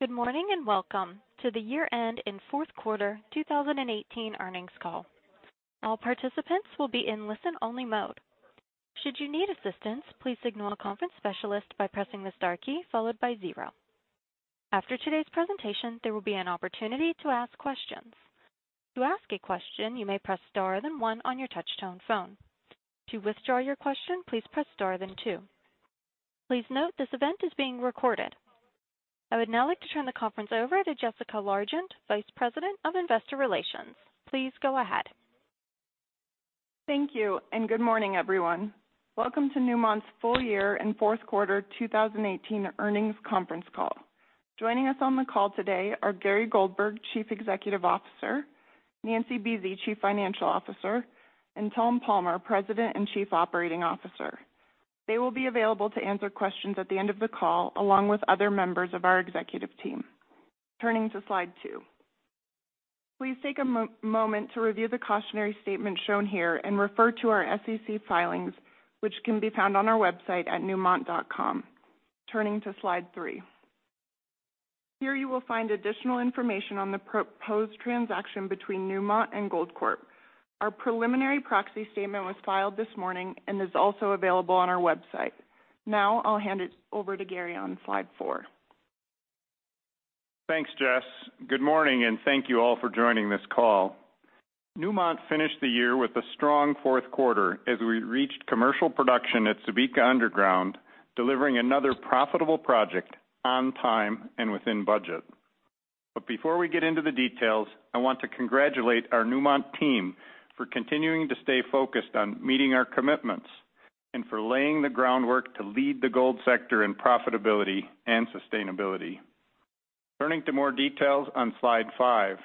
Good morning, and welcome to the year-end and fourth quarter 2018 earnings call. All participants will be in listen-only mode. Should you need assistance, please signal a conference specialist by pressing the star key followed by zero. After today's presentation, there will be an opportunity to ask questions. To ask a question, you may press star, then one on your touch-tone phone. To withdraw your question, please press star, then two. Please note, this event is being recorded. I would now like to turn the conference over to Jessica Largent, Vice President of Investor Relations. Please go ahead. Thank you, and good morning, everyone. Welcome to Newmont's full year and fourth quarter 2018 earnings conference call. Joining us on the call today are Gary Goldberg, Chief Executive Officer, Nancy Buese, Chief Financial Officer, and Tom Palmer, President and Chief Operating Officer. They will be available to answer questions at the end of the call, along with other members of our executive team. Turning to slide two. Please take a moment to review the cautionary statement shown here and refer to our SEC filings, which can be found on our website at newmont.com. Turning to slide three. Here, you will find additional information on the proposed transaction between Newmont and Goldcorp. Our preliminary proxy statement was filed this morning and is also available on our website. Now, I'll hand it over to Gary on slide four. Thanks, Jess. Good morning. Thank you all for joining this call. Newmont finished the year with a strong fourth quarter as we reached commercial production at Subika Underground, delivering another profitable project on time and within budget. Before we get into the details, I want to congratulate our Newmont team for continuing to stay focused on meeting our commitments and for laying the groundwork to lead the gold sector in profitability and sustainability. Turning to more details on slide five.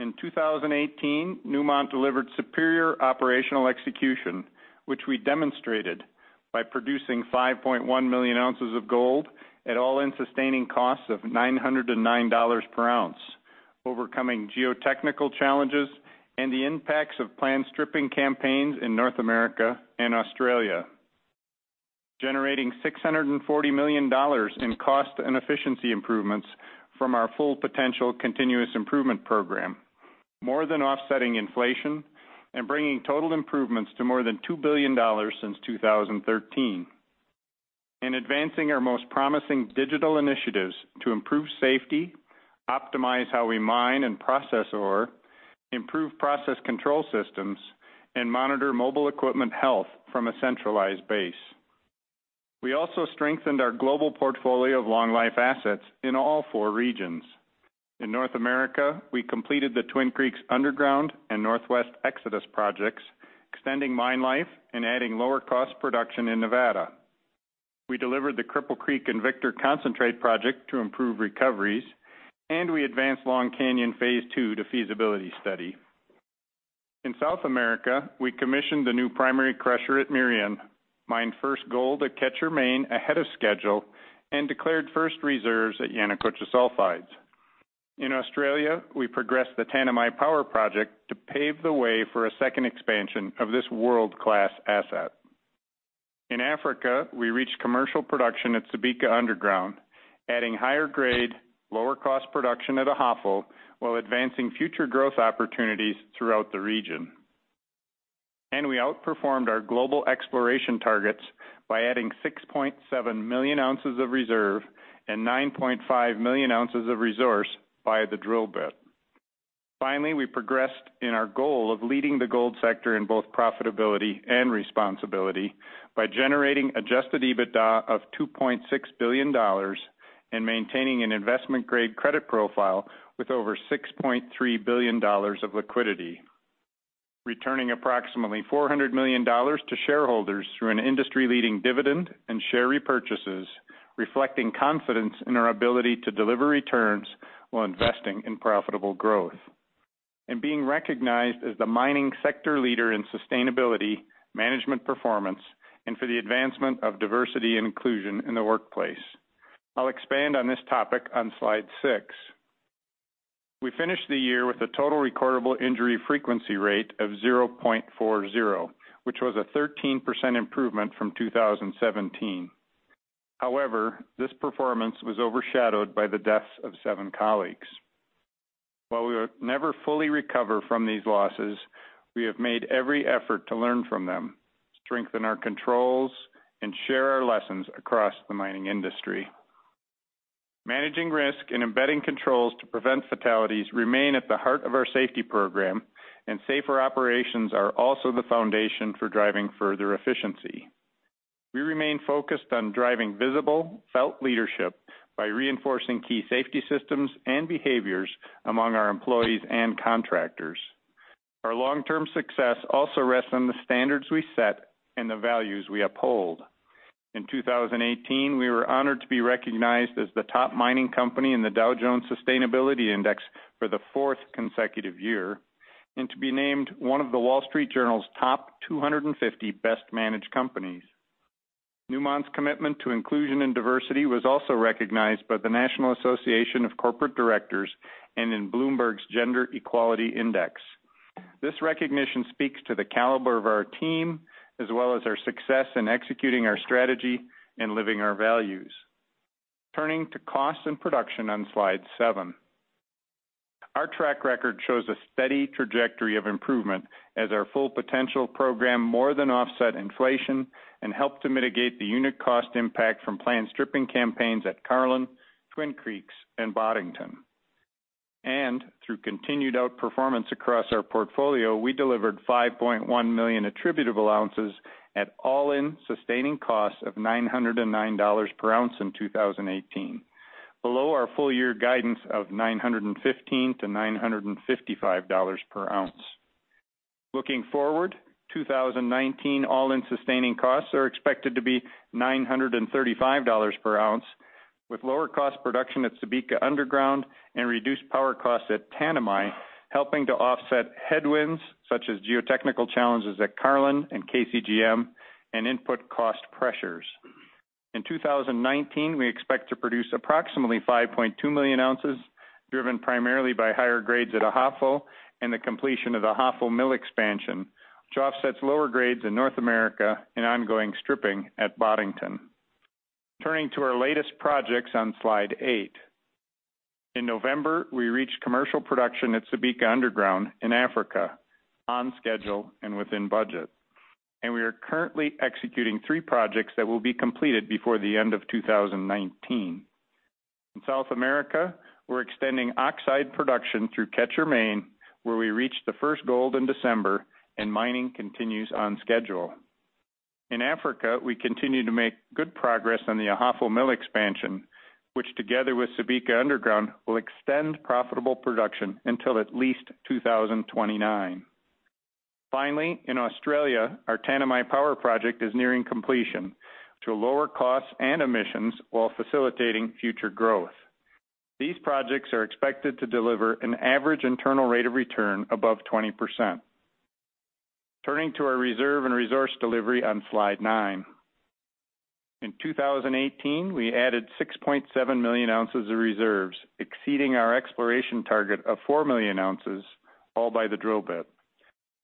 In 2018, Newmont delivered superior operational execution, which we demonstrated by producing 5.1 million ounces of gold at all-in sustaining costs of $909 per ounce, overcoming geotechnical challenges and the impacts of planned stripping campaigns in North America and Australia, generating $640 million in cost and efficiency improvements from our Full Potential continuous improvement program, more than offsetting inflation and bringing total improvements to more than $2 billion since 2013. In advancing our most promising digital initiatives to improve safety, optimize how we mine and process ore, improve process control systems, and monitor mobile equipment health from a centralized base. We also strengthened our global portfolio of long-life assets in all four regions. In North America, we completed the Twin Creeks Underground and Northwest Exodus projects, extending mine life and adding lower-cost production in Nevada. We delivered the Cripple Creek and Victor Concentrate project to improve recoveries. We advanced Long Canyon phase 2 to feasibility study. In South America, we commissioned the new primary crusher at Merian, mined first gold at Quecher Main ahead of schedule, and declared first reserves at Yanacocha Sulfides. In Australia, we progressed the Tanami Power Project to pave the way for a second expansion of this world-class asset. In Africa, we reached commercial production at Subika Underground, adding higher grade, lower cost production at Ahafo while advancing future growth opportunities throughout the region. We outperformed our global exploration targets by adding 6.7 million ounces of reserve and 9.5 million ounces of resource via the drill bit. Finally, we progressed in our goal of leading the gold sector in both profitability and responsibility by generating adjusted EBITDA of $2.6 billion and maintaining an investment-grade credit profile with over $6.3 billion of liquidity, returning approximately $400 million to shareholders through an industry-leading dividend and share repurchases, reflecting confidence in our ability to deliver returns while investing in profitable growth, being recognized as the mining sector leader in sustainability, management performance, and for the advancement of diversity and inclusion in the workplace. I'll expand on this topic on slide six. We finished the year with a total recordable injury frequency rate of 0.40, which was a 13% improvement from 2017. However, this performance was overshadowed by the deaths of seven colleagues. While we will never fully recover from these losses, we have made every effort to learn from them, strengthen our controls, share our lessons across the mining industry. Managing risk and embedding controls to prevent fatalities remain at the heart of our safety program. Safer operations are also the foundation for driving further efficiency. We remain focused on driving visible, felt leadership by reinforcing key safety systems and behaviors among our employees and contractors. Our long-term success also rests on the standards we set and the values we uphold. In 2018, we were honored to be recognized as the top mining company in the Dow Jones Sustainability Index for the fourth consecutive year and to be named one of The Wall Street Journal's top 250 best managed companies. Newmont's commitment to inclusion and diversity was also recognized by the National Association of Corporate Directors and in Bloomberg Gender-Equality Index. This recognition speaks to the caliber of our team, as well as our success in executing our strategy and living our values. Turning to cost and production on slide seven. Our track record shows a steady trajectory of improvement as our Full Potential program more than offset inflation and helped to mitigate the unit cost impact from planned stripping campaigns at Carlin, Twin Creeks, and Boddington. Through continued outperformance across our portfolio, we delivered 5.1 million attributable ounces at all-in sustaining costs of $909 per ounce in 2018, below our full-year guidance of $915-$955 per ounce. Looking forward, 2019 all-in sustaining costs are expected to be $935 per ounce, with lower cost production at Subika Underground and reduced power costs at Tanami, helping to offset headwinds such as geotechnical challenges at Carlin and KCGM, and input cost pressures. In 2019, we expect to produce approximately 5.2 million ounces, driven primarily by higher grades at Ahafo, and the completion of the Ahafo Mill expansion, which offsets lower grades in North America and ongoing stripping at Boddington. Turning to our latest projects on slide eight. In November, we reached commercial production at Subika Underground in Africa on schedule and within budget. We are currently executing three projects that will be completed before the end of 2019. In South America, we're extending oxide production through Quecher Main, where we reached the first gold in December and mining continues on schedule. In Africa, we continue to make good progress on the Ahafo Mill expansion, which together with Subika Underground, will extend profitable production until at least 2029. Finally, in Australia, our Tanami Power project is nearing completion to lower costs and emissions while facilitating future growth. These projects are expected to deliver an average internal rate of return above 20%. Turning to our reserve and resource delivery on slide nine. In 2018, we added 6.7 million ounces of reserves, exceeding our exploration target of four million ounces, all by the drill bit.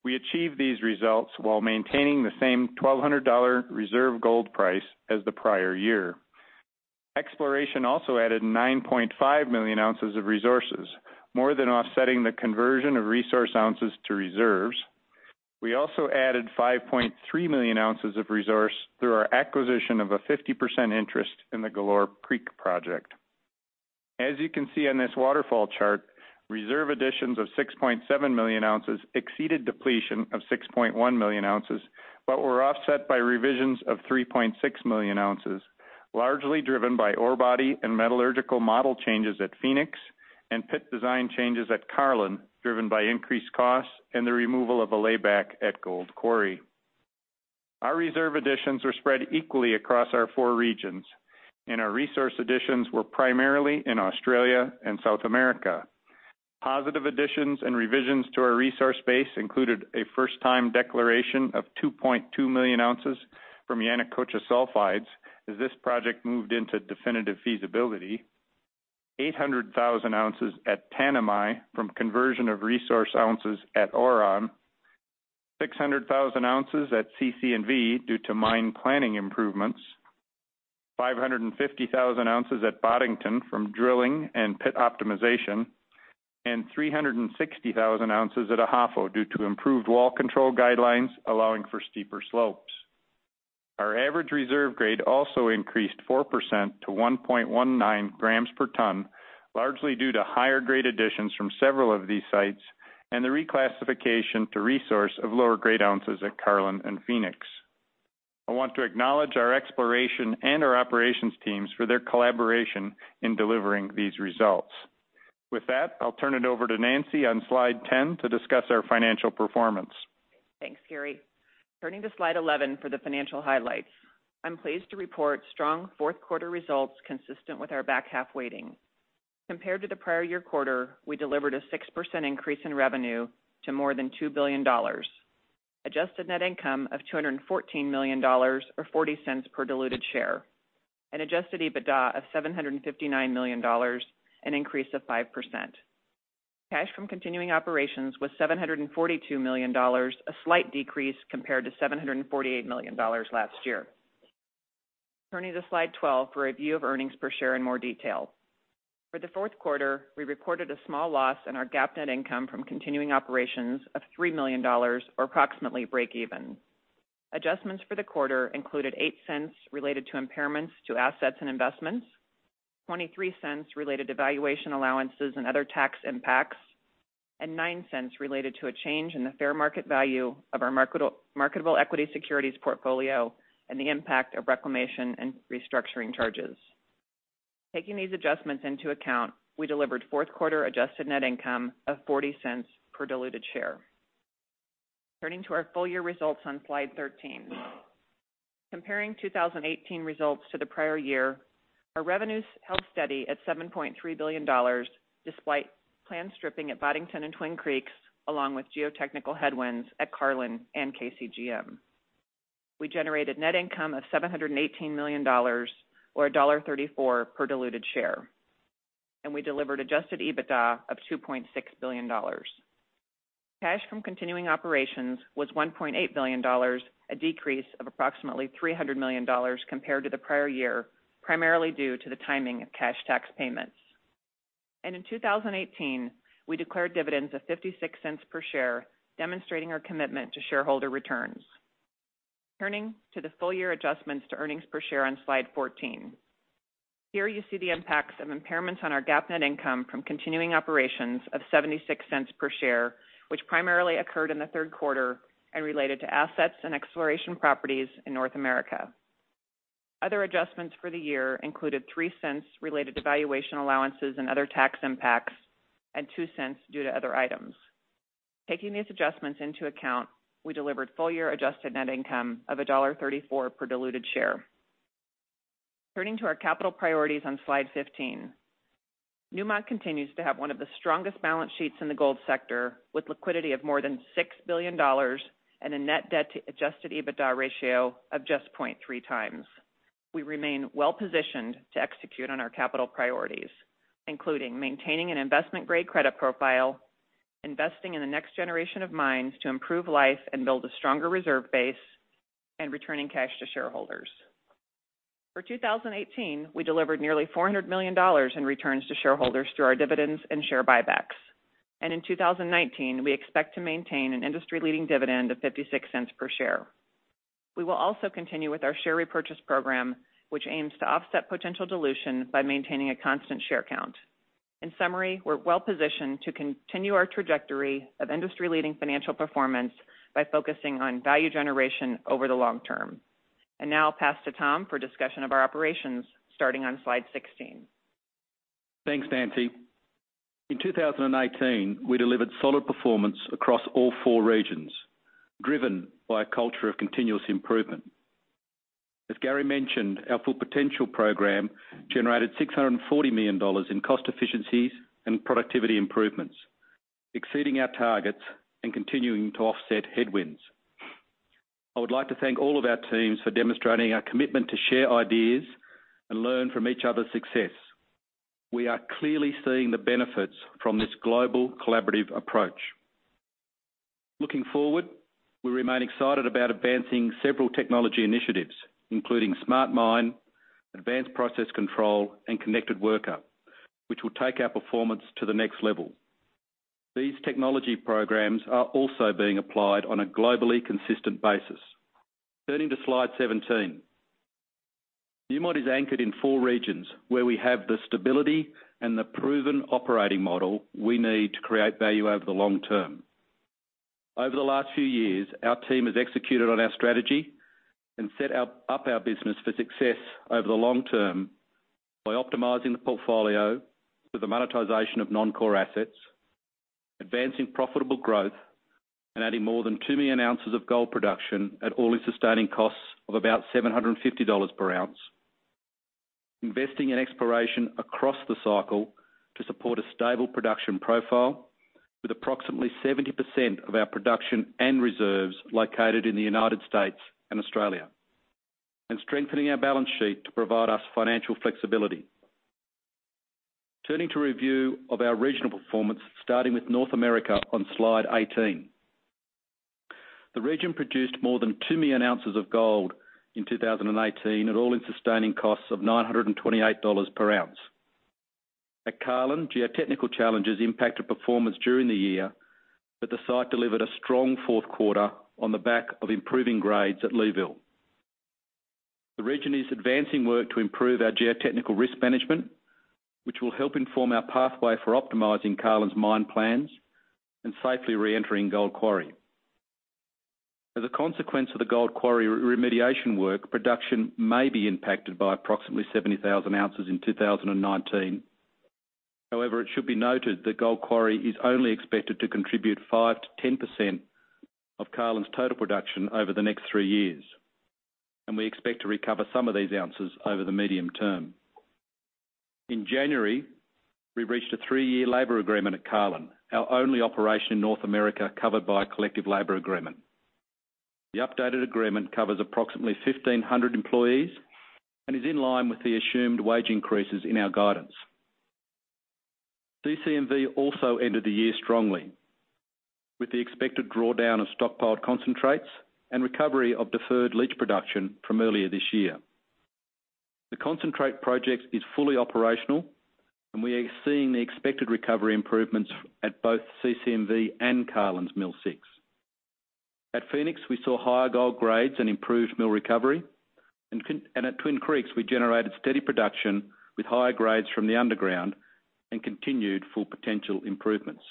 We achieved these results while maintaining the same $1,200 reserve gold price as the prior year. Exploration also added 9.5 million ounces of resources, more than offsetting the conversion of resource ounces to reserves. We also added 5.3 million ounces of resource through our acquisition of a 50% interest in the Galore Creek project. As you can see on this waterfall chart, reserve additions of 6.7 million ounces exceeded depletion of 6.1 million ounces, but were offset by revisions of 3.6 million ounces, largely driven by ore body and metallurgical model changes at Phoenix and pit design changes at Carlin, driven by increased costs and the removal of a layback at Gold Quarry. Our reserve additions were spread equally across our four regions, and our resource additions were primarily in Australia and South America. Positive additions and revisions to our resource base included a first-time declaration of 2.2 million ounces from Yanacocha Sulfides, as this project moved into definitive feasibility. 800,000 ounces at Tanami from conversion of resource ounces at Auron. 600,000 ounces at CC&V due to mine planning improvements. 550,000 ounces at Boddington from drilling and pit optimization, and 360,000 ounces at Ahafo due to improved wall control guidelines allowing for steeper slopes. Our average reserve grade also increased 4% to 1.19 grams per ton, largely due to higher grade additions from several of these sites, and the reclassification to resource of lower grade ounces at Carlin and Phoenix. I want to acknowledge our exploration and our operations teams for their collaboration in delivering these results. With that, I'll turn it over to Nancy on slide 10 to discuss our financial performance. Thanks, Gary. Turning to slide 11 for the financial highlights. I am pleased to report strong fourth quarter results consistent with our back half weighting. Compared to the prior year quarter, we delivered a 6% increase in revenue to more than $2 billion. Adjusted net income of $214 million or $0.40 per diluted share, an adjusted EBITDA of $759 million, an increase of 5%. Cash from continuing operations was $742 million, a slight decrease compared to $748 million last year. Turning to slide 12 for a view of earnings per share in more detail. For the fourth quarter, we reported a small loss in our GAAP net income from continuing operations of $3 million or approximately break even. Adjustments for the quarter included $0.08 related to impairments to assets and investments, $0.23 related to valuation allowances and other tax impacts, and $0.09 related to a change in the fair market value of our marketable equity securities portfolio and the impact of reclamation and restructuring charges. Taking these adjustments into account, we delivered fourth quarter adjusted net income of $0.40 per diluted share. Turning to our full year results on slide 13. Comparing 2018 results to the prior year, our revenues held steady at $7.3 billion, despite planned stripping at Boddington and Twin Creeks, along with geotechnical headwinds at Carlin and KCGM. We generated net income of $718 million or $1.34 per diluted share, and we delivered adjusted EBITDA of $2.6 billion. Cash from continuing operations was $1.8 billion, a decrease of approximately $300 million compared to the prior year, primarily due to the timing of cash tax payments. In 2018, we declared dividends of $0.56 per share, demonstrating our commitment to shareholder returns. Turning to the full year adjustments to earnings per share on slide 14. Here you see the impacts of impairments on our GAAP net income from continuing operations of $0.76 per share, which primarily occurred in the third quarter and related to assets and exploration properties in North America. Other adjustments for the year included $0.03 related to valuation allowances and other tax impacts, and $0.02 due to other items. Taking these adjustments into account, we delivered full year adjusted net income of $1.34 per diluted share. Turning to our capital priorities on slide 15. Newmont continues to have one of the strongest balance sheets in the gold sector, with liquidity of more than $6 billion and a net debt to adjusted EBITDA ratio of just 0.3 times. We remain well-positioned to execute on our capital priorities, including maintaining an investment-grade credit profile, investing in the next generation of mines to improve life and build a stronger reserve base, and returning cash to shareholders. For 2018, we delivered nearly $400 million in returns to shareholders through our dividends and share buybacks. In 2019, we expect to maintain an industry-leading dividend of $0.56 per share. We will also continue with our share repurchase program, which aims to offset potential dilution by maintaining a constant share count. In summary, we are well-positioned to continue our trajectory of industry-leading financial performance by focusing on value generation over the long term. Now I'll pass to Tom for discussion of our operations, starting on slide 16. Thanks, Nancy. In 2018, we delivered solid performance across all four regions, driven by a culture of continuous improvement. As Gary mentioned, our Full Potential program generated $640 million in cost efficiencies and productivity improvements, exceeding our targets and continuing to offset headwinds. I would like to thank all of our teams for demonstrating a commitment to share ideas and learn from each other's success. We are clearly seeing the benefits from this global collaborative approach. Looking forward, we remain excited about advancing several technology initiatives, including SmartMine, advanced process control, and Connected Worker, which will take our performance to the next level. These technology programs are also being applied on a globally consistent basis. Turning to slide 17. Newmont is anchored in four regions where we have the stability and the proven operating model we need to create value over the long term. Over the last few years, our team has executed on our strategy and set up our business for success over the long term by optimizing the portfolio through the monetization of non-core assets, advancing profitable growth, and adding more than 2 million ounces of gold production at all-in sustaining costs of about $750 per ounce. Investing in exploration across the cycle to support a stable production profile with approximately 70% of our production and reserves located in the U.S. and Australia, and strengthening our balance sheet to provide us financial flexibility. Turning to review of our regional performance, starting with North America on slide 18. The region produced more than 2 million ounces of gold in 2018, at all-in sustaining costs of $928 per ounce. At Carlin, geotechnical challenges impacted performance during the year, but the site delivered a strong fourth quarter on the back of improving grades at Leeville. The region is advancing work to improve our geotechnical risk management, which will help inform our pathway for optimizing Carlin's mine plans and safely reentering Gold Quarry. As a consequence of the Gold Quarry remediation work, production may be impacted by approximately 70,000 ounces in 2019. However, it should be noted that Gold Quarry is only expected to contribute 5%-10% of Carlin's total production over the next three years, and we expect to recover some of these ounces over the medium term. In January, we reached a three-year labor agreement at Carlin, our only operation in North America covered by a collective labor agreement. The updated agreement covers approximately 1,500 employees and is in line with the assumed wage increases in our guidance. CC&V also ended the year strongly, with the expected drawdown of stockpiled concentrates and recovery of deferred leach production from earlier this year. The concentrate project is fully operational, we are seeing the expected recovery improvements at both CC&V and Carlin's Mill 6. At Phoenix, we saw higher gold grades and improved mill recovery. At Twin Creeks, we generated steady production with higher grades from the underground and continued Full Potential improvements.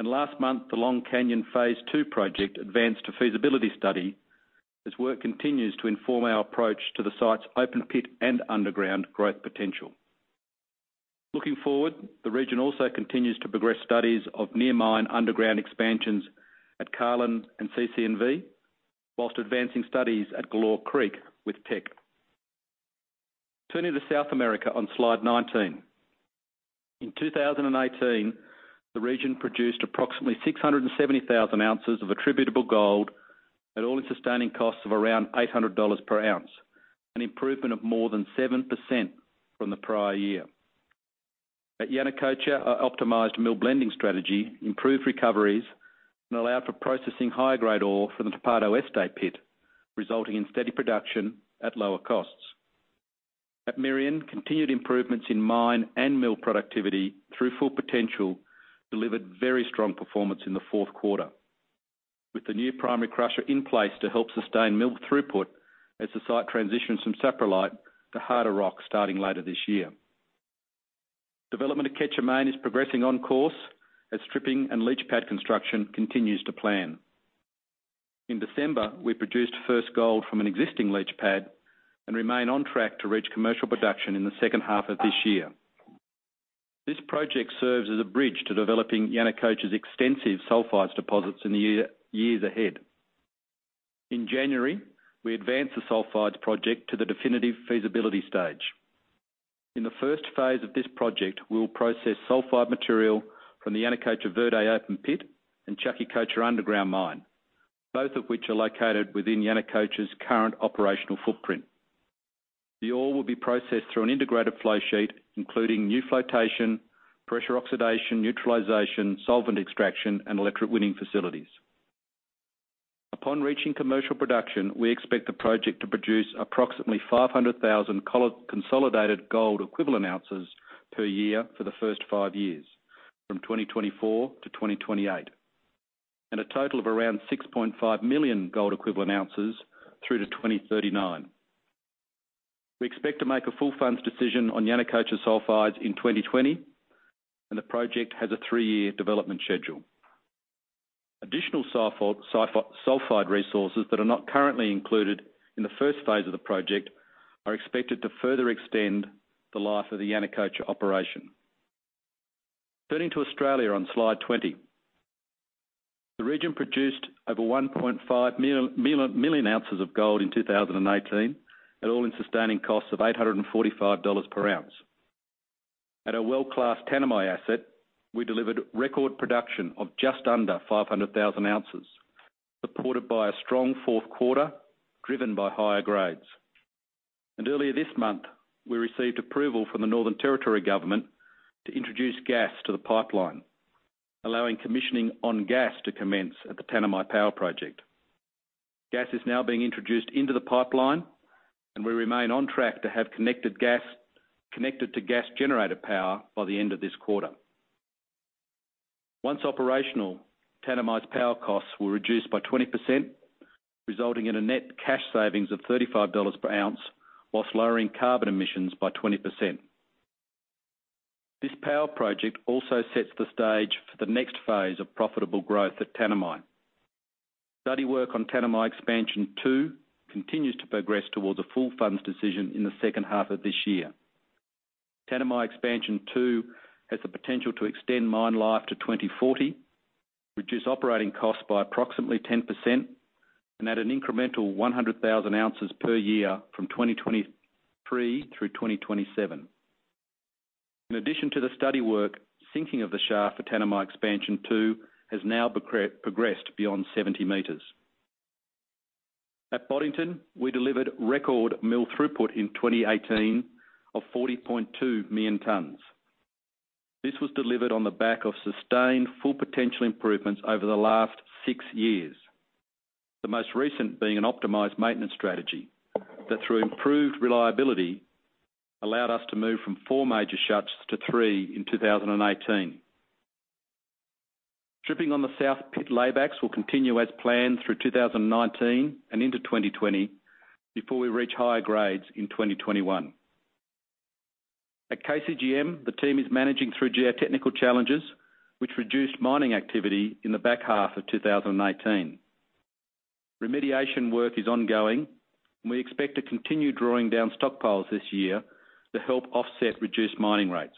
Last month, the Long Canyon Phase 2 project advanced to feasibility study as work continues to inform our approach to the site's open pit and underground growth potential. Looking forward, the region also continues to progress studies of near mine underground expansions at Carlin and CC&V whilst advancing studies at Galore Creek with Teck. Turning to South America on slide 19. In 2018, the region produced approximately 670,000 ounces of attributable gold at all-in sustaining costs of around $800 per ounce, an improvement of more than 7% from the prior year. At Yanacocha, our optimized mill blending strategy improved recoveries and allowed for processing higher grade ore from the Tapado Este pit, resulting in steady production at lower costs. At Merian, continued improvements in mine and mill productivity through Full Potential delivered very strong performance in the fourth quarter. With the new primary crusher in place to help sustain mill throughput as the site transitions from saprolite to harder rock starting later this year. Development at Quecher Main is progressing on course as stripping and leach pad construction continues to plan. In December, we produced first gold from an existing leach pad and remain on track to reach commercial production in the second half of this year. This project serves as a bridge to developing Yanacocha's extensive sulfides deposits in the years ahead. In January, we advanced the sulfides project to the definitive feasibility stage. In the first phase of this project, we will process sulfide material from the Yanacocha Verde open pit and Chaquicocha underground mine, both of which are located within Yanacocha's current operational footprint. The ore will be processed through an integrated flow sheet, including new flotation, pressure oxidation, neutralization, solvent extraction, and electrowinning facilities. Upon reaching commercial production, we expect the project to produce approximately 500,000 consolidated gold equivalent ounces per year for the first five years, from 2024 to 2028, and a total of around 6.5 million gold equivalent ounces through to 2039. We expect to make a full funds decision on Yanacocha sulfides in 2020, and the project has a three-year development schedule. Additional sulfide resources that are not currently included in the first phase of the project are expected to further extend the life of the Yanacocha operation. Turning to Australia on slide 20. The region produced over 1.5 million ounces of gold in 2018 at all-in sustaining costs of $845 per ounce. At our world-class Tanami asset, we delivered record production of just under 500,000 ounces, supported by a strong fourth quarter driven by higher grades. Earlier this month, we received approval from the Northern Territory government to introduce gas to the pipeline, allowing commissioning on gas to commence at the Tanami Power Project. Gas is now being introduced into the pipeline, we remain on track to have connected to gas generator power by the end of this quarter. Once operational, Tanami's power costs will reduce by 20%, resulting in a net cash savings of $35 per ounce whilst lowering carbon emissions by 20%. This power project also sets the stage for the next phase of profitable growth at Tanami. Study work on Tanami Expansion 2 continues to progress towards a full funds decision in the second half of this year. Tanami Expansion 2 has the potential to extend mine life to 2040, reduce operating costs by approximately 10%, and add an incremental 100,000 ounces per year from 2023 through 2027. In addition to the study work, sinking of the shaft for Tanami Expansion 2 has now progressed beyond 70 meters. At Boddington, we delivered record mill throughput in 2018 of 40.2 million tons. This was delivered on the back of sustained Full Potential improvements over the last six years. The most recent being an optimized maintenance strategy that, through improved reliability, allowed us to move from 4 major shuts to 3 in 2018. Stripping on the south pit laybacks will continue as planned through 2019 and into 2020 before we reach higher grades in 2021. At KCGM, the team is managing through geotechnical challenges, which reduced mining activity in the back half of 2018. Remediation work is ongoing. We expect to continue drawing down stockpiles this year to help offset reduced mining rates.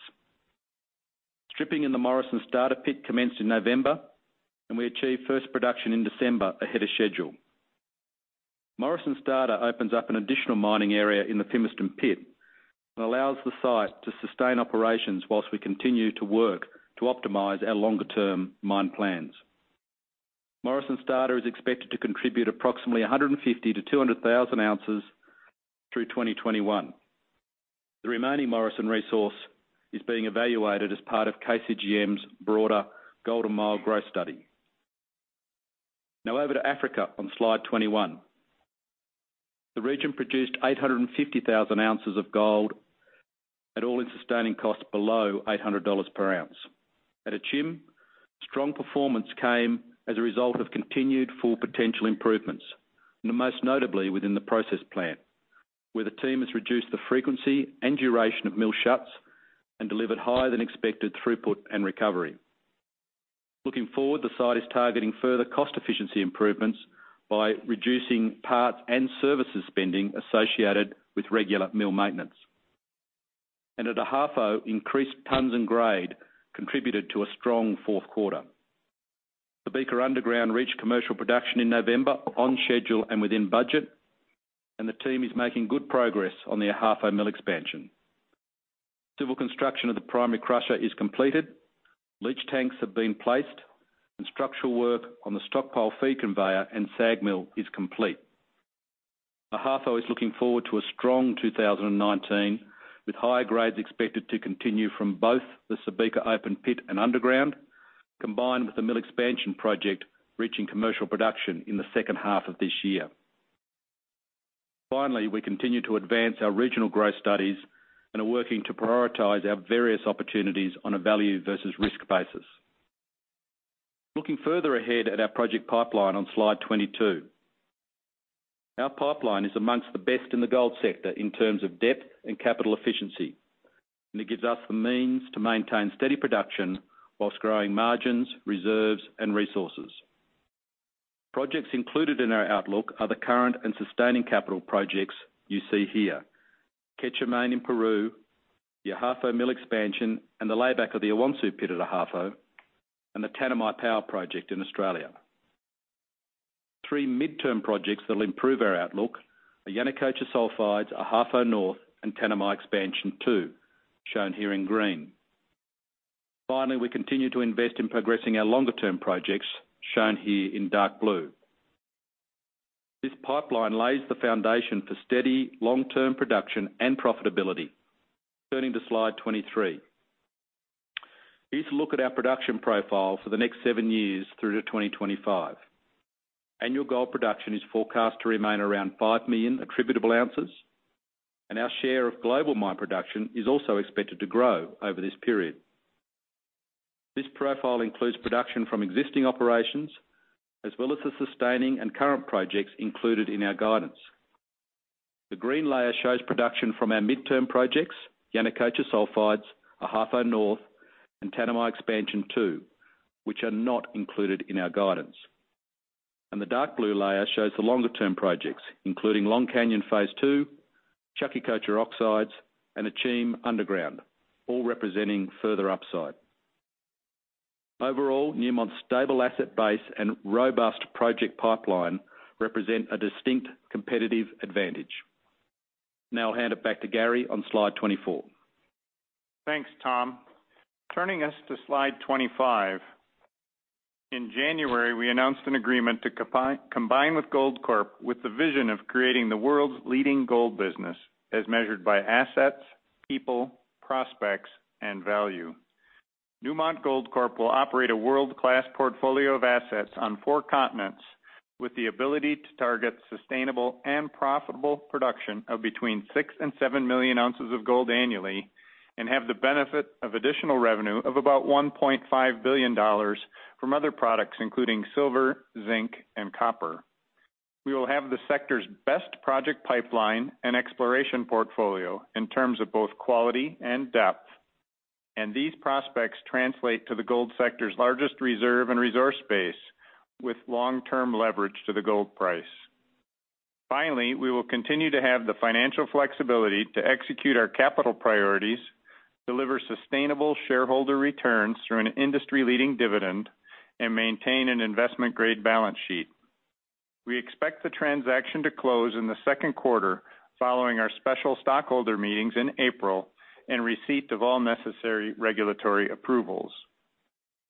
Stripping in the Morrison Starter pit commenced in November. We achieved first production in December ahead of schedule. Morrison Starter opens up an additional mining area in the Fimiston pit and allows the site to sustain operations whilst we continue to work to optimize our longer-term mine plans. Morrison Starter is expected to contribute approximately 150,000 to 200,000 ounces through 2021. The remaining Morrison resource is being evaluated as part of KCGM's broader Golden Mile growth study. Over to Africa on slide 21. The region produced 850,000 ounces of gold at all-in sustaining costs below $800 per ounce. At Akyem, strong performance came as a result of continued Full Potential improvements, and most notably within the process plant, where the team has reduced the frequency and duration of mill shuts and delivered higher than expected throughput and recovery. Looking forward, the site is targeting further cost efficiency improvements by reducing parts and services spending associated with regular mill maintenance. At Ahafo, increased tons and grade contributed to a strong fourth quarter. The Subika underground reached commercial production in November, on schedule and within budget. The team is making good progress on their Ahafo Mill expansion. Civil construction of the primary crusher is completed, leach tanks have been placed, and structural work on the stockpile feed conveyor and SAG mill is complete. Ahafo is looking forward to a strong 2019, with high grades expected to continue from both the Subika open pit and underground, combined with the mill expansion project, reaching commercial production in the second half of this year. Finally, we continue to advance our regional growth studies and are working to prioritize our various opportunities on a value versus risk basis. Looking further ahead at our project pipeline on Slide 22. Our pipeline is amongst the best in the gold sector in terms of depth and capital efficiency, and it gives us the means to maintain steady production whilst growing margins, reserves, and resources. Projects included in our outlook are the current and sustaining capital projects you see here. Quecher Main in Peru, the Ahafo Mill expansion, and the layback of the Amoma pit at Ahafo, and the Tanami Power Project in Australia. Three midterm projects that will improve our outlook are Yanacocha Sulfides, Ahafo North, and Tanami Expansion Two, shown here in green. We continue to invest in progressing our longer-term projects, shown here in dark blue. This pipeline lays the foundation for steady long-term production and profitability. Turning to Slide 23. Here's a look at our production profile for the next seven years through to 2025. Annual gold production is forecast to remain around 5 million attributable ounces, and our share of global mine production is also expected to grow over this period. This profile includes production from existing operations as well as the sustaining and current projects included in our guidance. The green layer shows production from our midterm projects, Yanacocha Sulfides, Ahafo North, and Tanami Expansion Two, which are not included in our guidance. The dark blue layer shows the longer-term projects, including Long Canyon Phase Two, Chaquicocha Oxides, and Akyem Underground, all representing further upside. Overall, Newmont's stable asset base and robust project pipeline represent a distinct competitive advantage. Now I'll hand it back to Gary on Slide 24. Thanks, Tom. Turning us to Slide 25. In January, we announced an agreement to combine with Goldcorp with the vision of creating the world's leading gold business, as measured by assets, people, prospects, and value. Newmont Goldcorp will operate a world-class portfolio of assets on 4 continents with the ability to target sustainable and profitable production of between 6 and 7 million ounces of gold annually, and have the benefit of additional revenue of about $1.5 billion from other products, including silver, zinc, and copper. We will have the sector's best project pipeline and exploration portfolio in terms of both quality and depth. These prospects translate to the gold sector's largest reserve and resource base, with long-term leverage to the gold price. We will continue to have the financial flexibility to execute our capital priorities, deliver sustainable shareholder returns through an industry-leading dividend, and maintain an investment-grade balance sheet. We expect the transaction to close in the second quarter, following our special stockholder meetings in April and receipt of all necessary regulatory approvals.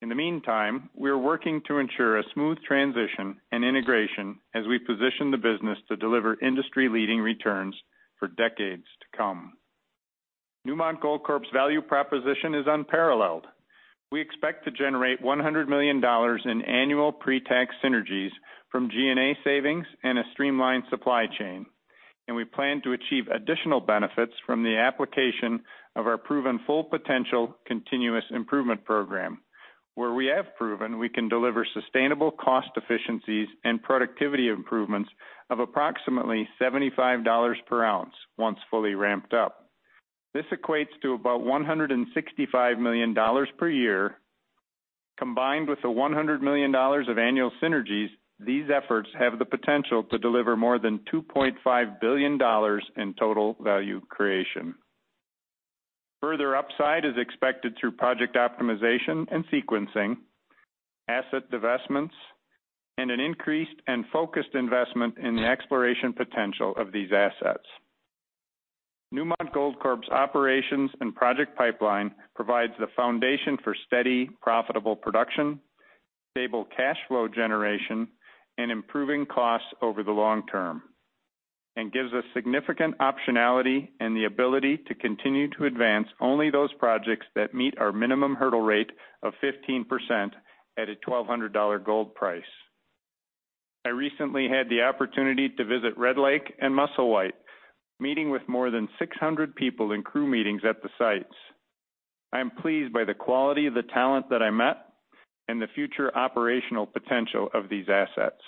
In the meantime, we're working to ensure a smooth transition and integration as we position the business to deliver industry-leading returns for decades to come. Newmont Goldcorp's value proposition is unparalleled. We expect to generate $100 million in annual pre-tax synergies from G&A savings and a streamlined supply chain. We plan to achieve additional benefits from the application of our proven Full Potential continuous improvement program, where we have proven we can deliver sustainable cost efficiencies and productivity improvements of approximately $75 per ounce once fully ramped up. This equates to about $165 million per year. Combined with the $100 million of annual synergies, these efforts have the potential to deliver more than $2.5 billion in total value creation. Further upside is expected through project optimization and sequencing, asset divestments, and an increased and focused investment in the exploration potential of these assets. Newmont Goldcorp's operations and project pipeline provides the foundation for steady, profitable production, stable cash flow generation, and improving costs over the long term, and gives us significant optionality and the ability to continue to advance only those projects that meet our minimum hurdle rate of 15% at a $1,200 gold price. I recently had the opportunity to visit Red Lake and Musselwhite, meeting with more than 600 people in crew meetings at the sites. I am pleased by the quality of the talent that I met and the future operational potential of these assets.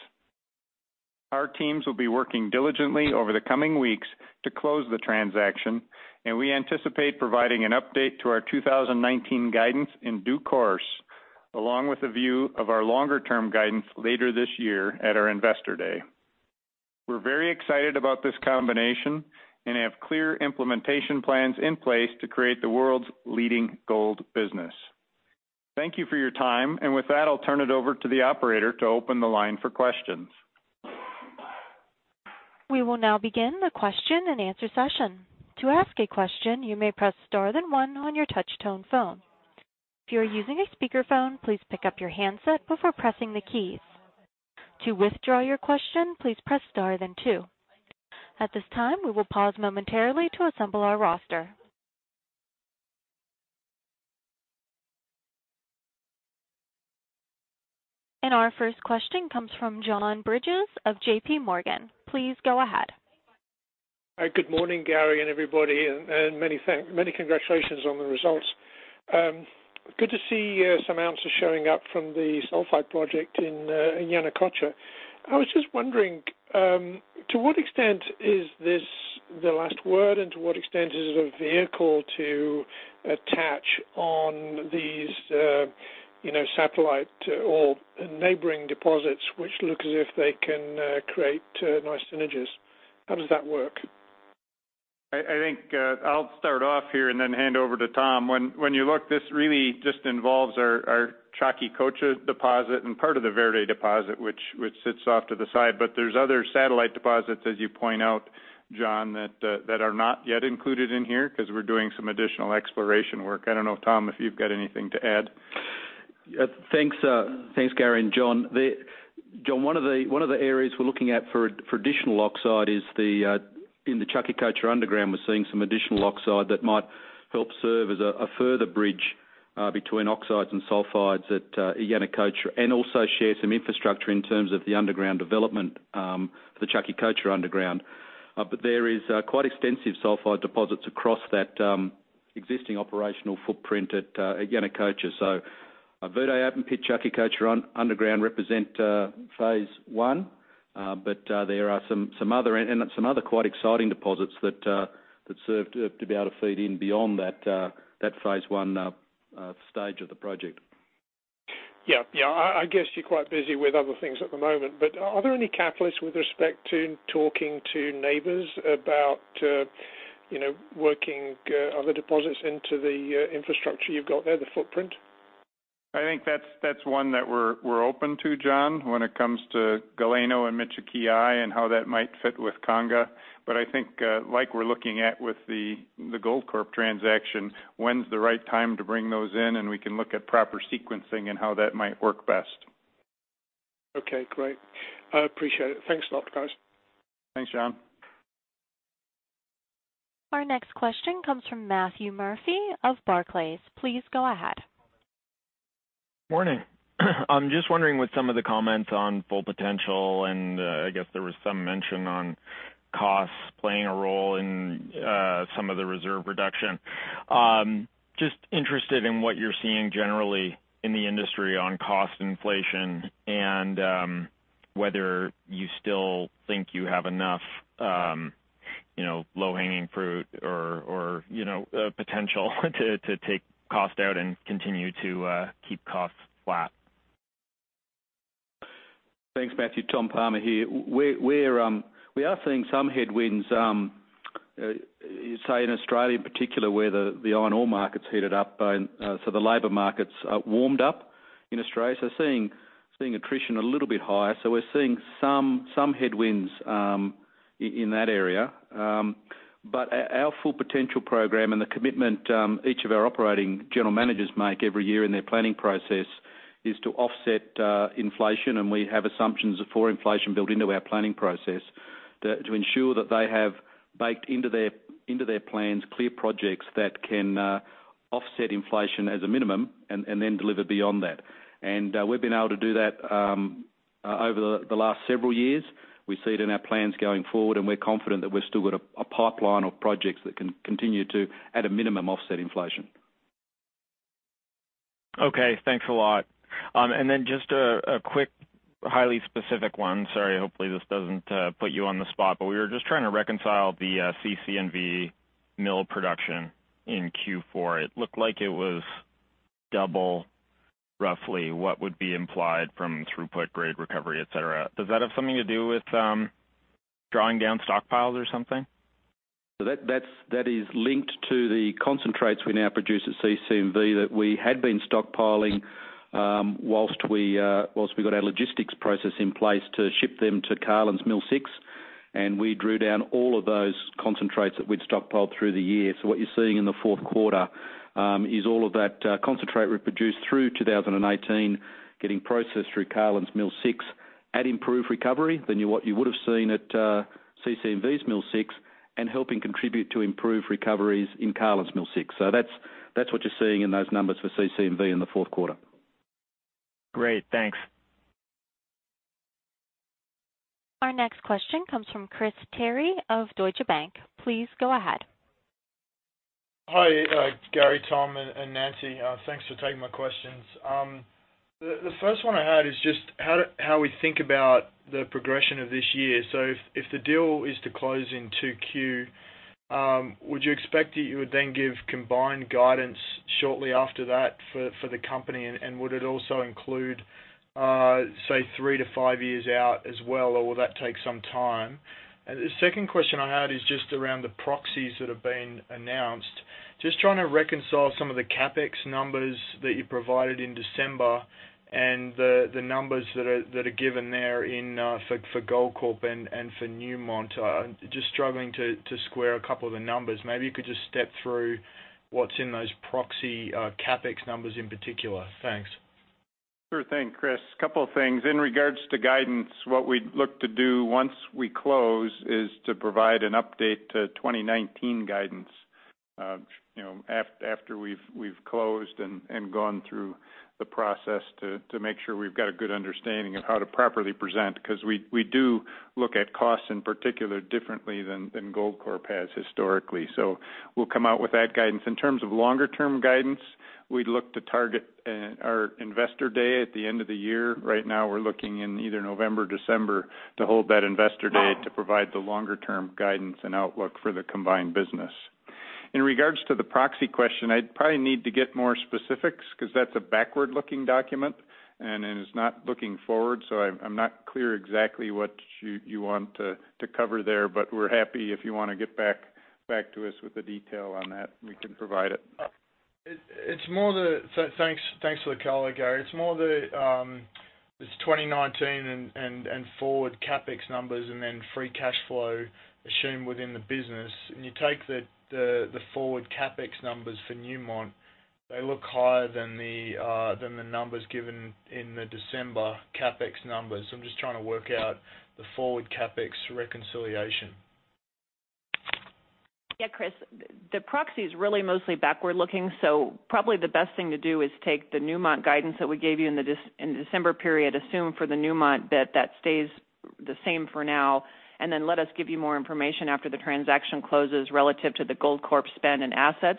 Our teams will be working diligently over the coming weeks to close the transaction. We anticipate providing an update to our 2019 guidance in due course, along with a view of our longer-term guidance later this year at our Investor Day. We're very excited about this combination and have clear implementation plans in place to create the world's leading gold business. Thank you for your time. With that, I'll turn it over to the operator to open the line for questions. We will now begin the question and answer session. To ask a question, you may press star, then one on your touch-tone phone. If you are using a speakerphone, please pick up your handset before pressing the keys. To withdraw your question, please press star, then two. At this time, we will pause momentarily to assemble our roster. Our first question comes from John Bridges of J.P. Morgan. Please go ahead. Hi. Good morning, Gary and everybody, many congratulations on the results. Good to see some answers showing up from the sulfide project in Yanacocha. I was just wondering, to what extent is this the last word, and to what extent is it a vehicle to attach on these satellite or neighboring deposits which look as if they can create nice synergies? How does that work? I think I'll start off here and then hand over to Tom. When you look, this really just involves our Chaquicocha deposit and part of the Verde deposit, which sits off to the side. There's other satellite deposits, as you point out, John, that are not yet included in here because we're doing some additional exploration work. I don't know, Tom, if you've got anything to add. Thanks, Gary and John. John, one of the areas we're looking at for additional oxide is in the Chaquicocha underground. We're seeing some additional oxide that might help serve as a further bridge between oxides and sulfides at Yanacocha, and also share some infrastructure in terms of the underground development for the Chaquicocha underground. There is quite extensive sulfide deposits across that existing operational footprint at Yanacocha. Verde open pit, Chaquicocha underground represent phase 1. There are some other quite exciting deposits that serve to be able to feed in beyond that phase 1 stage of the project. Yeah. I guess you're quite busy with other things at the moment, but are there any catalysts with respect to talking to neighbors about working other deposits into the infrastructure you've got there, the footprint? I think that's one that we're open to, John, when it comes to Galeno and Michiquillay and how that might fit with Conga. I think, like we're looking at with the Goldcorp Inc. transaction, when's the right time to bring those in, and we can look at proper sequencing and how that might work best. Okay, great. I appreciate it. Thanks a lot, guys. Thanks, John. Our next question comes from Matthew Murphy of Barclays. Please go ahead. Morning. I'm just wondering, with some of the comments on Full Potential, and I guess there was some mention on costs playing a role in some of the reserve reduction. Just interested in what you're seeing generally in the industry on cost inflation and whether you still think you have enough low-hanging fruit or potential to take cost out and continue to keep costs flat. Thanks, Matthew. Tom Palmer here. We are seeing some headwinds, say in Australia in particular, where the iron ore market's heated up. The labor market's warmed up in Australia, seeing attrition a little bit higher. Our Full Potential program and the commitment each of our operating general managers make every year in their planning process is to offset inflation. We have assumptions for inflation built into our planning process to ensure that they have baked into their plans clear projects that can offset inflation as a minimum and then deliver beyond that. We've been able to do that over the last several years. We see it in our plans going forward, and we're confident that we've still got a pipeline of projects that can continue to, at a minimum, offset inflation. Okay. Thanks a lot. Then just a quick, highly specific one. Sorry, hopefully this doesn't put you on the spot, but we were just trying to reconcile the CC&V mill production in Q4. It looked like it was double roughly what would be implied from throughput grade recovery, et cetera. Does that have something to do with drawing down stockpiles or something? That is linked to the concentrates we now produce at CC&V that we had been stockpiling whilst we got our logistics process in place to ship them to Carlin's Mill Six. We drew down all of those concentrates that we'd stockpiled through the year. What you're seeing in the fourth quarter is all of that concentrate we produced through 2018 getting processed through Carlin's Mill Six at improved recovery than what you would have seen at CC&V's Mill Six and helping contribute to improved recoveries in Carlin's Mill Six. That's what you're seeing in those numbers for CC&V in the fourth quarter. Great. Thanks. Our next question comes from Chris Terry of Deutsche Bank. Please go ahead. Hi, Gary, Tom, and Nancy. Thanks for taking my questions. The first one I had is just how we think about the progression of this year. If the deal is to close in 2Q, would you expect that you would then give combined guidance shortly after that for the company, and would it also include, say, 3 to 5 years out as well, or will that take some time? The second question I had is just around the proxies that have been announced. Just trying to reconcile some of the CapEx numbers that you provided in December and the numbers that are given there for Goldcorp and for Newmont. Just struggling to square a couple of the numbers. Maybe you could just step through what's in those proxy CapEx numbers in particular. Thanks. Sure thing, Chris. Couple of things. In regards to guidance, what we'd look to do once we close is to provide an update to 2019 guidance. After we've closed and gone through the process to make sure we've got a good understanding of how to properly present, because we do look at costs in particular differently than Goldcorp has historically. We'll come out with that guidance. In terms of longer-term guidance, we'd look to target our Investor Day at the end of the year. Right now, we're looking in either November or December to hold that Investor Day to provide the longer-term guidance and outlook for the combined business. In regards to the proxy question, I'd probably need to get more specifics, because that's a backward-looking document and it is not looking forward. I'm not clear exactly what you want to cover there, but we're happy if you want to get back to us with the detail on that. We can provide it. Thanks for the color, Gary. It's more the 2019 and forward CapEx numbers and then free cash flow assumed within the business. When you take the forward CapEx numbers for Newmont, they look higher than the numbers given in the December CapEx numbers. I'm just trying to work out the forward CapEx reconciliation. Yeah, Chris, the proxy is really mostly backward-looking. Probably the best thing to do is take the Newmont guidance that we gave you in the December period, assume for the Newmont bit that stays the same for now, then let us give you more information after the transaction closes relative to the Goldcorp spend and assets.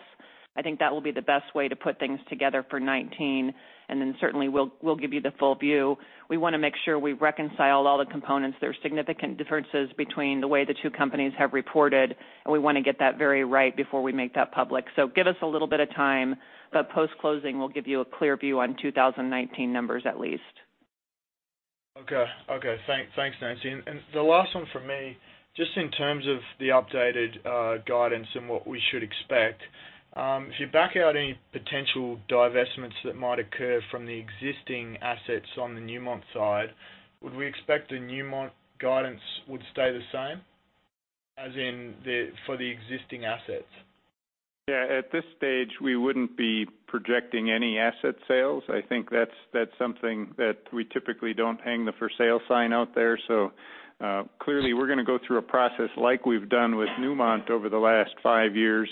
I think that will be the best way to put things together for 2019. Then certainly we'll give you the full view. We want to make sure we reconcile all the components. There are significant differences between the way the two companies have reported, and we want to get that very right before we make that public. Give us a little bit of time, but post-closing, we'll give you a clear view on 2019 numbers at least. Okay. Thanks, Nancy. The last one from me, just in terms of the updated guidance and what we should expect, if you back out any potential divestments that might occur from the existing assets on the Newmont side, would we expect the Newmont guidance would stay the same, as in for the existing assets? Yeah, at this stage, we wouldn't be projecting any asset sales. I think that's something that we typically don't hang the for sale sign out there. Clearly, we're going to go through a process like we've done with Newmont over the last five years,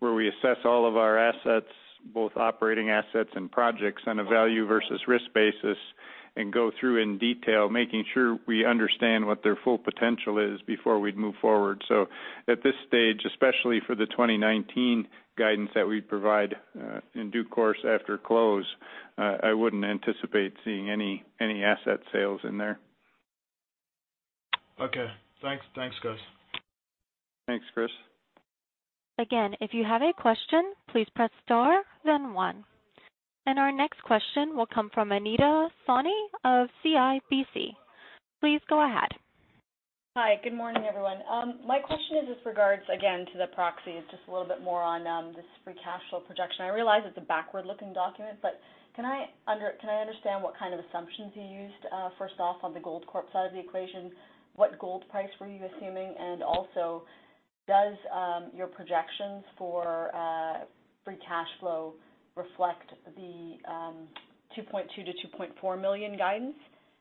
where we assess all of our assets, both operating assets and projects, on a value versus risk basis, and go through in detail, making sure we understand what their Full Potential is before we'd move forward. At this stage, especially for the 2019 guidance that we'd provide in due course after close, I wouldn't anticipate seeing any asset sales in there. Okay. Thanks, guys. Thanks, Chris. Again, if you have a question, please press star then one. Our next question will come from Anita Soni of CIBC. Please go ahead. Hi, good morning, everyone. My question is with regards, again, to the proxies, just a little bit more on this free cash flow projection. I realize it's a backward-looking document, but can I understand what kind of assumptions you used, first off, on the Goldcorp side of the equation? What gold price were you assuming? Also, does your projections for free cash flow reflect the 2.2 million-2.4 million guidance,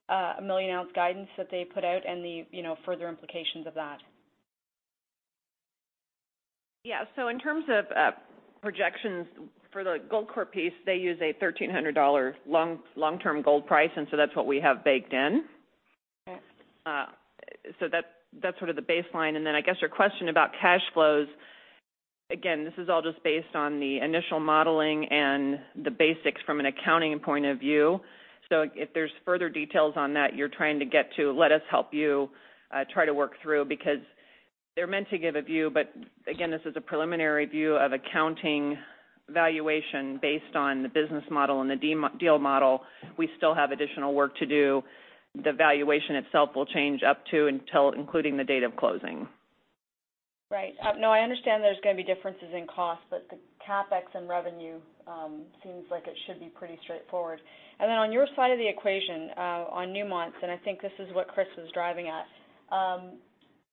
a million-ounce guidance that they put out and the further implications of that? Yeah. In terms of projections for the Goldcorp piece, they use a $1,300 long-term gold price, and so that's what we have baked in. Okay. That's sort of the baseline. I guess your question about cash flows, again, this is all just based on the initial modeling and the basics from an accounting point of view. If there's further details on that you're trying to get to, let us help you try to work through, because they're meant to give a view, but again, this is a preliminary view of accounting valuation based on the business model and the deal model. We still have additional work to do. The valuation itself will change up to including the date of closing. Right. No, I understand there's going to be differences in cost, but the CapEx and revenue seems like it should be pretty straightforward. On your side of the equation, on Newmont's, and I think this is what Chris was driving at,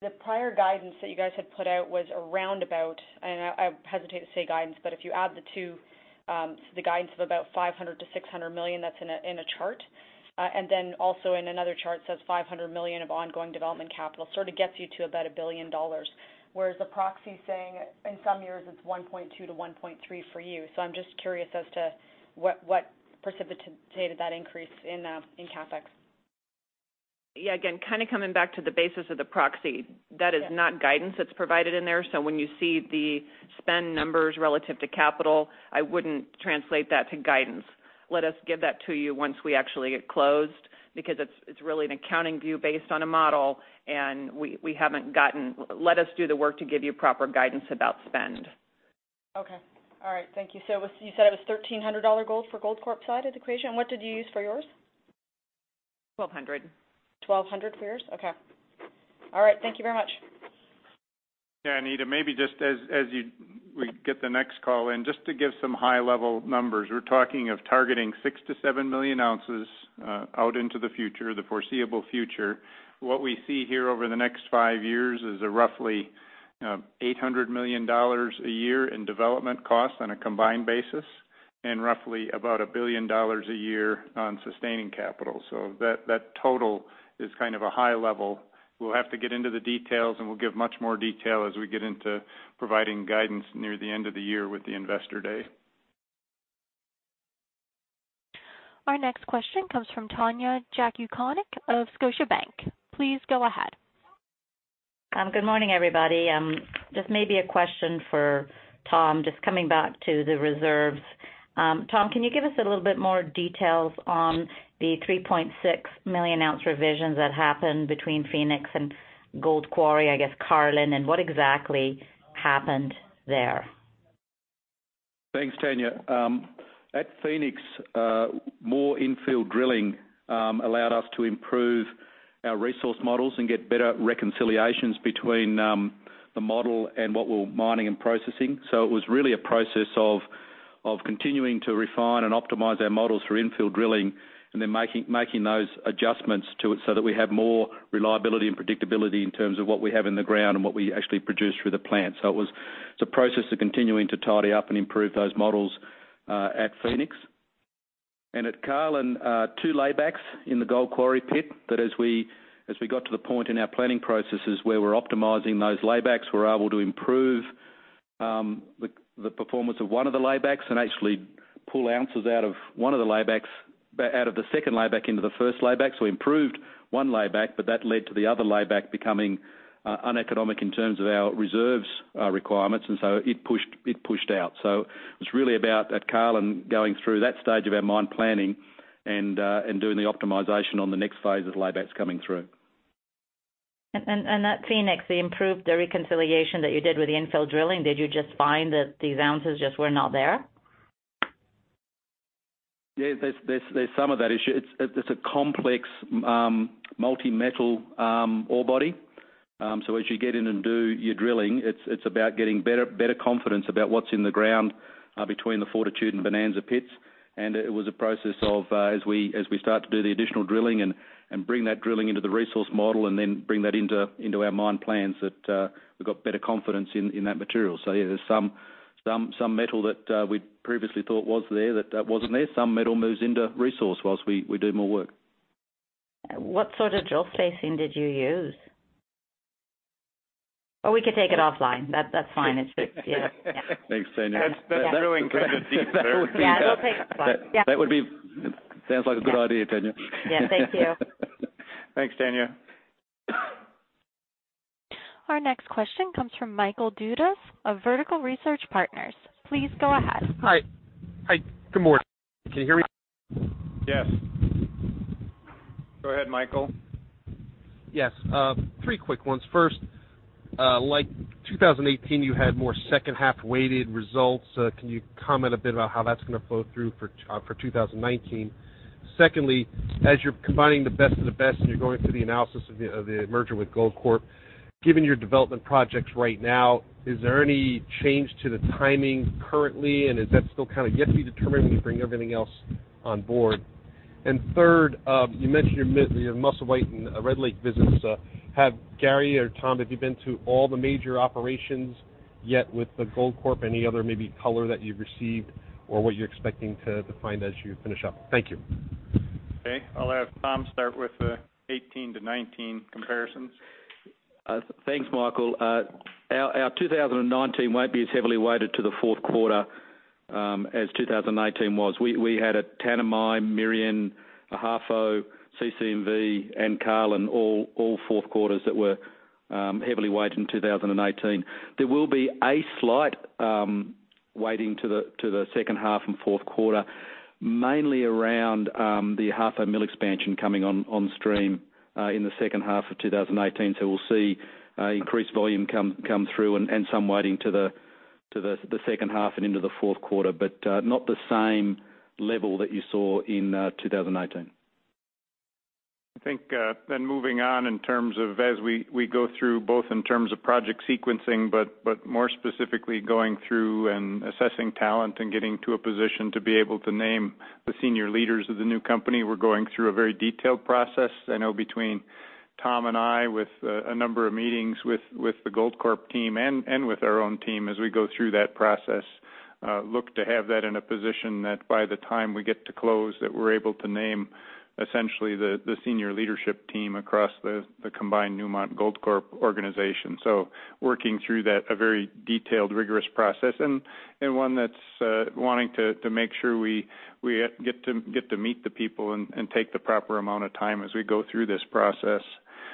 the prior guidance that you guys had put out was around about, and I hesitate to say guidance, but if you add the two, the guidance of about $500 million-$600 million, that's in a chart. Also in another chart, it says $500 million of ongoing development capital, sort of gets you to about $1 billion. Whereas the proxy is saying in some years it's $1.2 billion-$1.3 billion for you. I'm just curious as to what precipitated that increase in CapEx. Yeah, again, kind of coming back to the basis of the proxy. That is not guidance that's provided in there. When you see the spend numbers relative to capital, I wouldn't translate that to guidance. Let us give that to you once we actually get closed, because it's really an accounting view based on a model. Let us do the work to give you proper guidance about spend. Okay. All right. Thank you. You said it was $1,300 gold for Goldcorp Inc. side of the equation. What did you use for yours? 1,200. $1,200 for yours? Okay. All right. Thank you very much. Yeah, Anita, maybe just as we get the next call in, just to give some high-level numbers. We're talking of targeting six to seven million ounces out into the future, the foreseeable future. What we see here over the next five years is roughly $800 million a year in development costs on a combined basis, and roughly about $1 billion a year on sustaining capital. That total is kind of a high level. We'll have to get into the details, and we'll give much more detail as we get into providing guidance near the end of the year with the Investor Day. Our next question comes from Tanya Jakusconek of Scotiabank. Please go ahead. Good morning, everybody. This may be a question for Tom, just coming back to the reserves. Tom, can you give us a little bit more details on the 3.6 million ounce revisions that happened between Phoenix and Gold Quarry, I guess Carlin, and what exactly happened there? Thanks, Tanya. At Phoenix, more infill drilling allowed us to improve our resource models and get better reconciliations between the model and what we're mining and processing. It was really a process of continuing to refine and optimize our models for infill drilling, and then making those adjustments to it so that we have more reliability and predictability in terms of what we have in the ground and what we actually produce through the plant. It was a process of continuing to tidy up and improve those models at Phoenix. At Carlin, two laybacks in the Gold Quarry pit, that as we got to the point in our planning processes where we're optimizing those laybacks, we're able to improve the performance of one of the laybacks and actually pull ounces out of the second layback into the first layback. We improved one layback, but that led to the other layback becoming uneconomic in terms of our reserves requirements, and so it pushed out. It's really about, at Carlin, going through that stage of our mine planning and doing the optimization on the next phase of laybacks coming through. At Phoenix, the improved reconciliation that you did with the infill drilling, did you just find that these ounces just were not there? Yeah. There's some of that issue. It's a complex multi-metal ore body. As you get in and do your drilling, it's about getting better confidence about what's in the ground between the Fortitude and Bonanza pits. It was a process of, as we start to do the additional drilling and bring that drilling into the resource model and then bring that into our mine plans, that we've got better confidence in that material. Yeah, there's some metal that we previously thought was there that wasn't there. Some metal moves into resource whilst we do more work. What sort of drill spacing did you use? We can take it offline. That's fine. Thanks, Tanya. That's drilling kind of detail there. Yeah, we'll take it offline. Yeah. That sounds like a good idea, Tanya. Yeah. Thank you. Thanks, Tanya. Our next question comes from Michael Dudas of Vertical Research Partners. Please go ahead. Hi. Good morning. Can you hear me? Yes. Go ahead, Michael. Yes. Three quick ones. First, like 2018, you had more second half weighted results. Can you comment a bit about how that's going to flow through for 2019? Secondly, as you're combining the best of the best and you're going through the analysis of the merger with Goldcorp, given your development projects right now, is there any change to the timing currently? Is that still kind of yet to be determined when you bring everything else on board? Third, you mentioned your Musselwhite and Red Lake visits. Gary or Tom, have you been to all the major operations yet with the Goldcorp? Any other maybe color that you've received or what you're expecting to find as you finish up? Thank you. I'll have Tom start with the 2018 to 2019 comparisons. Thanks, Michael. Our 2019 won't be as heavily weighted to the fourth quarter as 2018 was. We had at Tanami, Merian, Ahafo, CCMV, and Carlin, all fourth quarters that were heavily weighted in 2018. There will be a slight weighting to the second half and fourth quarter, mainly around the Ahafo mill expansion coming on stream in the second half of 2018. We'll see increased volume come through and some weighting to the second half and into the fourth quarter, but not the same level that you saw in 2018. I think moving on in terms of as we go through, both in terms of project sequencing, but more specifically going through and assessing talent and getting to a position to be able to name the senior leaders of the new company. We're going through a very detailed process. I know between Tom and I, with a number of meetings with the Goldcorp team and with our own team as we go through that process, look to have that in a position that by the time we get to close, that we're able to name essentially the senior leadership team across the combined Newmont Goldcorp organization. Working through that, a very detailed, rigorous process, and one that's wanting to make sure we get to meet the people and take the proper amount of time as we go through this process.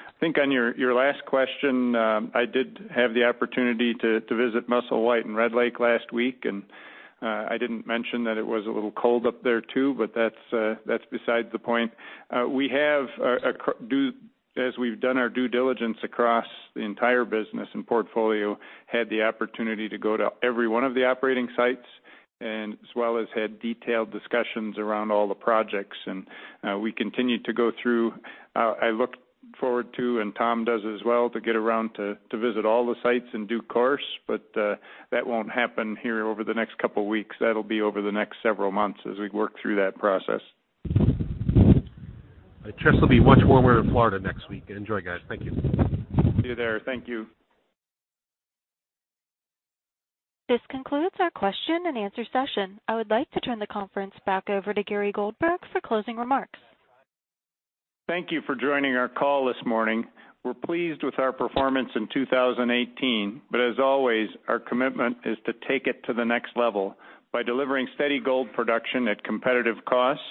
I think on your last question, I did have the opportunity to visit Musselwhite and Red Lake last week, and I didn't mention that it was a little cold up there, too, but that's beside the point. As we've done our due diligence across the entire business and portfolio, had the opportunity to go to every one of the operating sites and as well as had detailed discussions around all the projects. We continue to go through. I look forward to, and Tom does as well, to get around to visit all the sites in due course, but that won't happen here over the next couple of weeks. That'll be over the next several months as we work through that process. I trust it'll be much warmer in Florida next week. Enjoy, guys. Thank you. See you there. Thank you. This concludes our question and answer session. I would like to turn the conference back over to Gary Goldberg for closing remarks. Thank you for joining our call this morning. We're pleased with our performance in 2018, but as always, our commitment is to take it to the next level by delivering steady gold production at competitive costs,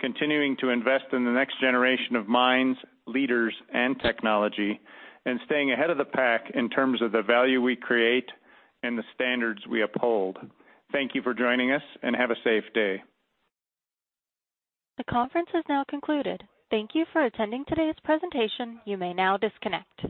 continuing to invest in the next generation of mines, leaders, and technology, and staying ahead of the pack in terms of the value we create and the standards we uphold. Thank you for joining us, and have a safe day. The conference has now concluded. Thank you for attending today's presentation. You may now disconnect.